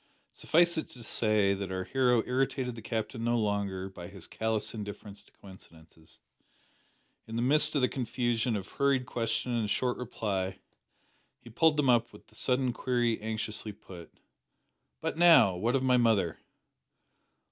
Suffice it to say, that our hero irritated the Captain no longer by his callous indifference to coincidences. In the midst of the confusion of hurried question and short reply, he pulled them up with the sudden query anxiously put "But now, what of my mother?"